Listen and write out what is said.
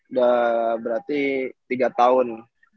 udah berarti tiga tahun